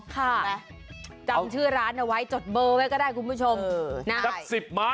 อยากจะไปแซ่บนัวไหมล่ะ